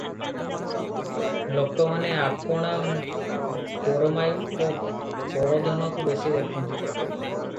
ଲୋକମାନେ ଆପଣା ପରମାୟୁ ଓ ପରଧନକୁ ବେଶି ଦେଖନ୍ତି ।